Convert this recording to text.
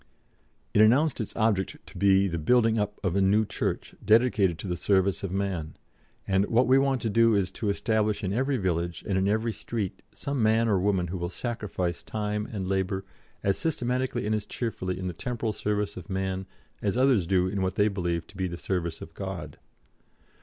It announced its object to be the "building up" of a "New Church, dedicated to the service of man," and "what we want to do is to establish in every village and in every street some man or woman who will sacrifice time and labour as systematically and as cheerfully in the temporal service of man as others do in what they believe to be the service of God."